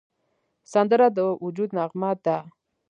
سندره د وجد نغمه ده